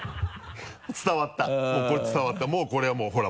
伝わったもうこれ伝わったもうこれはもうほら。